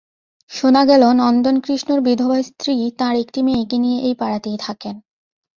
শোনা গেল, নন্দকৃষ্ণর বিধবা স্ত্রী তাঁর একটি মেয়েকে নিয়ে এই পাড়াতেই থাকেন।